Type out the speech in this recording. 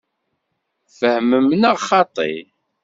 Tfehmem neɣ xaṭi?